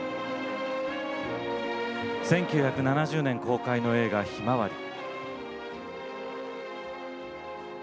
１９７０年公開の映画「ひまわり」。